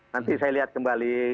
nanti saya lihat kembali